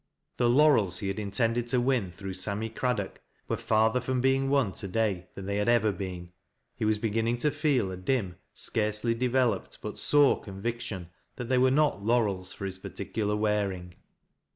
The lau rels he had intended to win through Sammy Craddocb were farther from being won to day than they had evei been. He was beginning to feel a dim, scarcely developed, but sore conviction, that they were not laurels for his par ticular wearing.